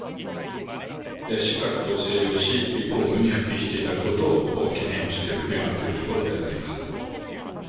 しっかりと静養し、公務に復帰していただくことを祈念をしてる、願っているところであります。